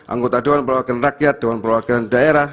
anggota dewan perwakilan rakyat dewan perwakilan daerah